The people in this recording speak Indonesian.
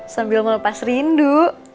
sambil melepas rindu